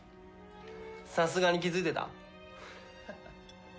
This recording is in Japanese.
さすがに気づいてた？